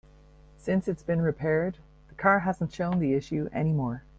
Since it's been repaired, the car hasn't shown the issue any more.